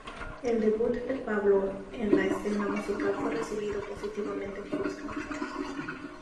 El debut de Pablo en la escena musical fue recibido positivamente por los críticos.